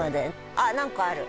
あっ何かある。